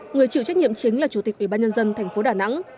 người chịu trách nhiệm chính là chủ tịch ubnd tp đà nẵng